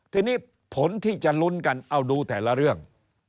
ทีนี้ผลที่จะลุ้นกันเอาดูแต่ละเรื่อง